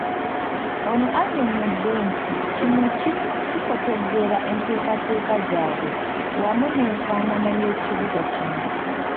Ono annyonnyodde nti kino kikotoggera enteekateeka zaabwe wamu n'enfaanana y'ekibuga kino.